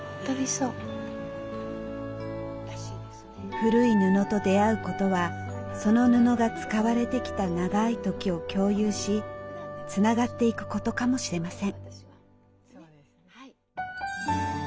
古い布と出会うことはその布が使われてきた長い時を共有しつながっていくことかもしれません。